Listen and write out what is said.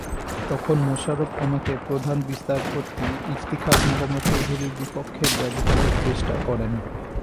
তখন মোশাররফ আমাকে প্রধান বিচারপতি ইফতিখার মোহাম্মদ চৌধুরীর বিপক্ষে ব্যবহারের চেষ্টা করেন।